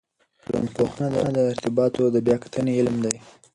ټولنپوهنه د ارتباطاتو د بیا کتنې علم دی.